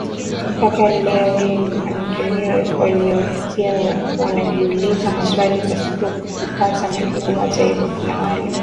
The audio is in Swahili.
mpaka leo hii mafanikio waliyofikia wanajiuliza maswali pasipo kupata majibu Hata hivyo kuna wale